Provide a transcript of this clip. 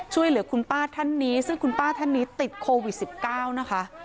ช่วยเหลือคุณป้าท่านนี้ซึ่งคุณป้าท่านนี้ติดโควิด๑๙นะคะ